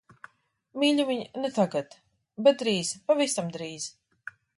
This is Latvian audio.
Mīļumiņ, ne tagad. Bet drīz, pavisam drīz.